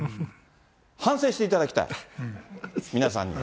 反省していただきたい、皆さんには。